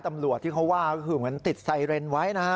ตำรวจที่เขาว่าก็คือเหมือนติดไซเรนไว้นะฮะ